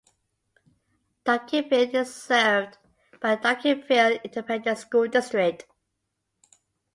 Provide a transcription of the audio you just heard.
Duncanville is served by the Duncanville Independent School District.